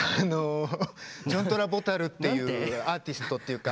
ジョン・トラボタルっていうアーティストっていうか